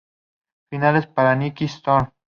Finales para Nikki Storm.